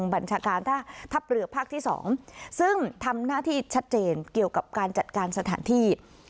บัญชาการทัพเรือภาคที่๒ซึ่งทำหน้าที่ชัดเจนเกี่ยวกับการจัดการสถานที่